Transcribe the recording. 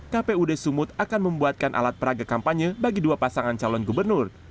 kpud sumut akan membuatkan alat peraga kampanye bagi dua pasangan calon gubernur